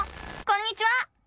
こんにちは！